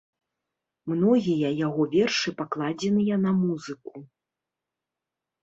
Многія яго вершы пакладзеныя на музыку.